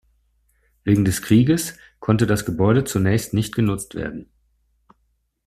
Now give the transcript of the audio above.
Wegen des Krieges konnte das Gebäude zunächst nicht genutzt werden.